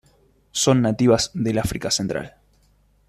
Son nativas del África central.